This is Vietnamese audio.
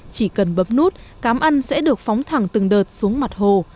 chỉ cần bấm nút cám ăn sẽ được phóng thẳng từng đợt xuống mặt hồ